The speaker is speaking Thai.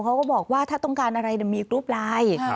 เขาก็บอกว่าถ้าต้องการอะไรมีกรุ๊ปไลน์